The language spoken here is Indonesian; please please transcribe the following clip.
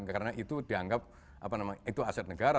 karena itu dianggap aset negara